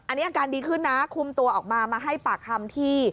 อันนี้อาการดีขึ้นนะคุมตัวออกมามาให้ปากคำที่